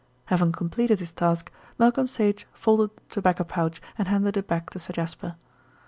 Having completed his task, Malcolm Sage folded the tobacco pouch and handed it back to Sir Jasper.